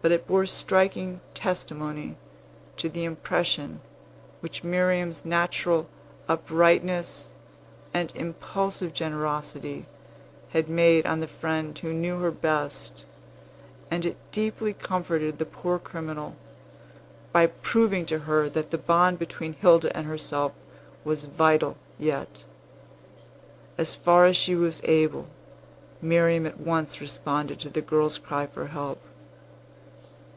But it bore striking testimony to the impression which Miriam's natural uprightness and impulsive generosity had made on the friend who knew her best; and it deeply comforted the poor criminal, by proving to her that the bond between Hilda and herself was vital yet. As far as she was able, Miriam at once responded to the girl's cry for help.